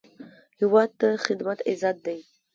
هیواد ته خدمت عزت دی